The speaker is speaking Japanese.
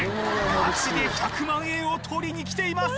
ガチで１００万円を取りに来ています